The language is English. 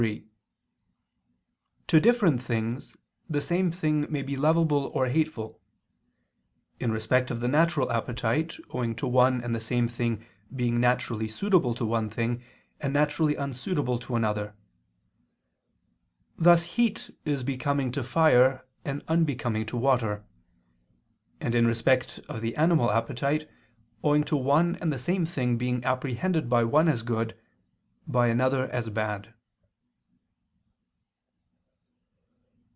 3: To different things the same thing may be lovable or hateful: in respect of the natural appetite, owing to one and the same thing being naturally suitable to one thing, and naturally unsuitable to another: thus heat is becoming to fire and unbecoming to water: and in respect of the animal appetite, owing to one and the same thing being apprehended by one as good, by another as bad.